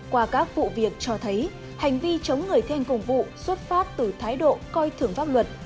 qua các vụ việc cho thấy hành vi chống người thi hành công vụ xuất phát từ thái độ coi thường pháp luật